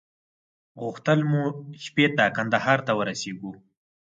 غوښتل مو شپې ته کندهار ته ورسېږو.